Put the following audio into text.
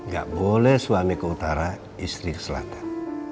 gak boleh suami ke utara istri ke selatan